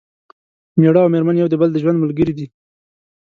مېړه او مېرمن یو د بل د ژوند ملګري دي